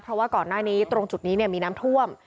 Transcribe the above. เพราะว่าก่อนหน้านี้ตรงจุดนี้มีน้ำท่วม